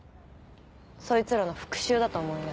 そいつらの復讐だと思いな。